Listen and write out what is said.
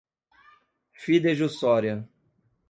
fidejussória